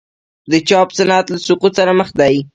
د چاپ صنعت له سقوط سره مخ دی؟